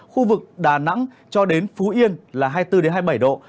khu vực đà nẵng cho đến phú yên là hai mươi bốn hai mươi bảy độ